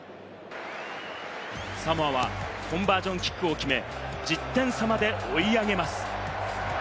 サモア、コンバージョンキックを決め、１０点差まで追い上げます。